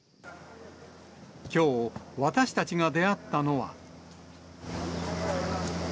きょう、私たちが出会ったのは。